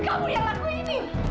kamu yang lakuin ini